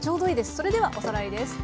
それではおさらいです。